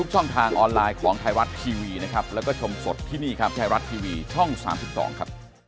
ช่องทางออนไลน์ของไทยรัฐทีวีนะครับแล้วก็ชมสดที่นี่ครับไทยรัฐทีวีช่อง๓๒ครับ